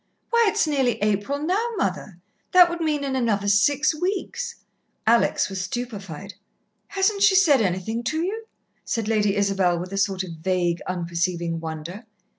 Why, it's nearly April now, mother. That would mean in another six weeks." Alex was stupefied. "Hasn't she said anything to you?" said Lady Isabel, with a sort of vague, unperceiving wonder.